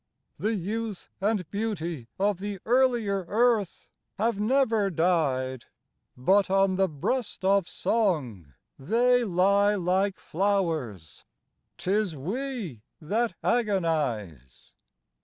The Youth and Beauty of the earlier earth Have never died, but on the breast of song They lie like flowers 'tis we that agonize